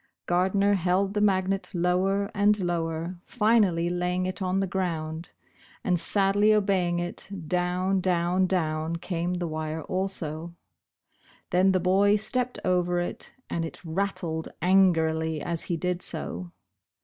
Gardner held the magnet lower and lower, finally laying it on the ground, and, sadly obeying it, down, down, down came the Bosh Bosh Oil. 13 wire also. Then the boy stepped over it, and it rattled angrily as he did so.